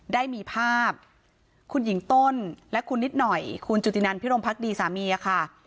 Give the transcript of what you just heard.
ได้มีภาพคุณหญิงต้นและคุณนิดหน่อยคุณจุตินันพิรมพักดีสามีค่ะ